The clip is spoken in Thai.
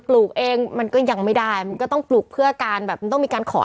ลูกเองมันก็ยังไม่ได้มันก็ต้องปลูกเพื่อการแบบมันต้องมีการขอ